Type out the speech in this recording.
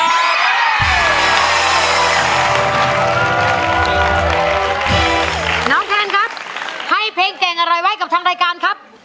น้องแพนครับให้เพลงเก่งอะไรไว้กับทางรายการครับ